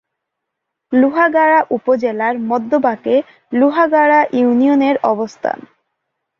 লোহাগাড়া উপজেলার মধ্যভাগে লোহাগাড়া ইউনিয়নের অবস্থান।